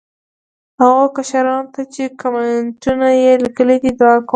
هغو کشرانو ته چې کامینټونه یې لیکلي دي، دعا کوم.